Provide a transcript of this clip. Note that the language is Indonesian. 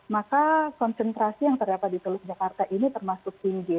maka konsentrasi yang terdapat di teluk jakarta ini termasuk tinggi